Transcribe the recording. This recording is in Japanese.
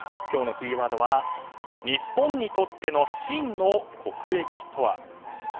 今日のキーワードは日本にとっての真の国益とは？